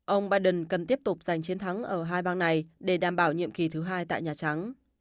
ông biden cần tiếp tục giành chiến thắng ở hai bang này để đảm bảo nhiệm kỳ thứ hai tại nhà trắng